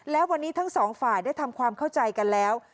และวันนี้ทั้งสองฝ่ายได้ทำความเข้าใจกันแล้ว